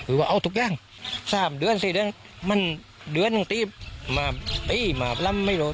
เอาทุกอย่าง๓๔เดือนมันเดือนตีมาปีมาลำไม่รอด